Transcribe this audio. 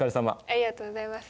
ありがとうございます。